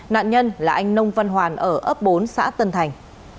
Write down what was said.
nạn nhân là anh nông văn hoàn ở ấp bốn xã tân thành